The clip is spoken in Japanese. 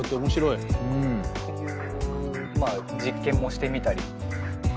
いうまあ実験もしてみたり。